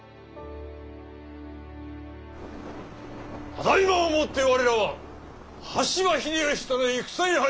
ただいまをもって我らは羽柴秀吉との戦に入る。